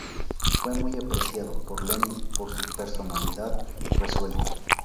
Fue muy apreciado por Lenin por su personalidad resuelta.